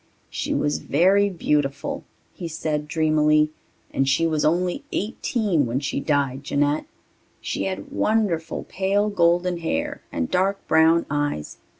"She was very beautiful," he said dreamily, "and she was only eighteen when she died, Jeanette. She had wonderful pale golden hair and dark brown eyes.